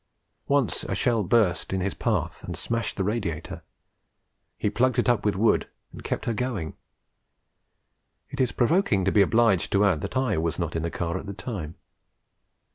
Once a shell burst in his path and smashed the radiator; he plugged it up with wood and kept her going. It is provoking to be obliged to add that I was not in the car at the time.